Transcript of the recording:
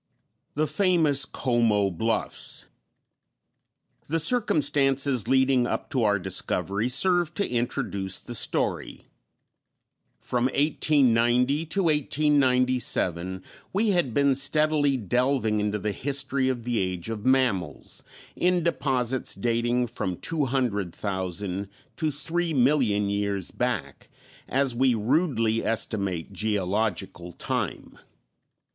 The Famous Como Bluffs. The circumstances leading up to our discovery serve to introduce the story. From 1890 to 1897 we had been steadily delving into the history of the Age of Mammals, in deposits dating from two hundred thousand to three million years back, as we rudely estimate geological time.